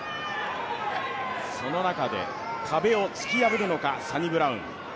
その中で壁を突き破るのかサニブラウン。